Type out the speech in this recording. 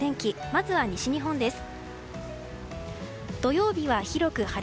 まずは西日本です。